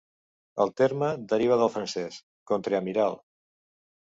El terme deriva del francès "contre-amiral".